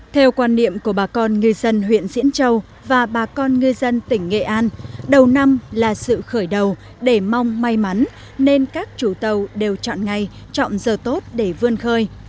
theo quan niệm của bà con ngư dân huyện diễn châu và bà con ngư dân tỉnh nghệ an đầu năm là sự khởi đầu để mong may mắn nên các chủ tàu đều chọn ngày chọn giờ tốt để vươn khơi